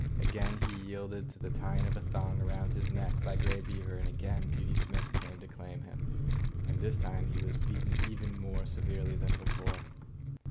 Again he yielded to the tying of a thong around his neck by Grey Beaver, and again Beauty Smith came to claim him. And this time he was beaten even more severely than before.